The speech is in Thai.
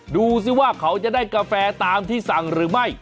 ดูสิว่าเขาจะได้กาแฟตามที่สั่งหรือไม่